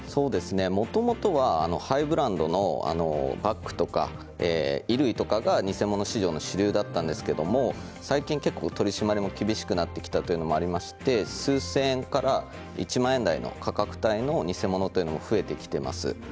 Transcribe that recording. もともとはハイブランドのバッグとか衣類とかが偽物市場の主流だったんですけど最近、結構取締りが厳しくなってきたというのもありまして数千円から１万円台の価格帯の偽物というのが増えてきています。